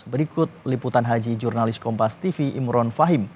berikut liputan haji jurnalis kompas tv imron fahim